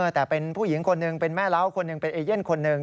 แต่เป็นผู้หญิงคนหนึ่งเป็นแม่เล้าคนหนึ่งเป็นเอเย่นคนหนึ่ง